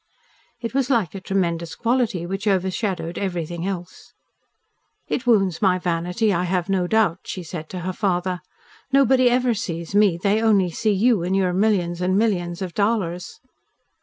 It was like a tremendous quality which overshadowed everything else. "It wounds my vanity, I have no doubt," she had said to her father. "Nobody ever sees me, they only see you and your millions and millions of dollars."